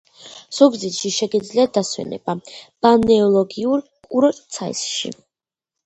ზუგდიდში შეგიძლიათ დასვენება ბალნეოლოგიურ კურორტ ცაიშში